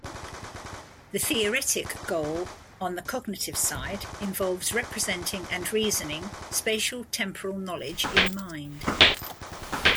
The theoretic goal-on the cognitive side-involves representing and reasoning spatial-temporal knowledge in mind.